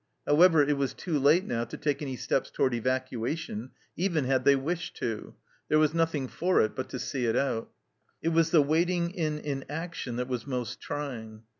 However, it was too late now to take any steps toward evacuation, even had they wished to ; there was nothing for it but to see it out. It was the waiting in inaction that was most trying.